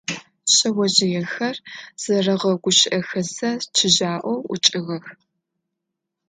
Шъэожъыехэр зэрэгъэгущыӀэхэзэ чыжьаӀоу ӀукӀыгъэх.